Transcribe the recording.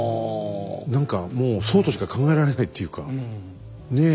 何かもうそうとしか考えられないっていうかねえ？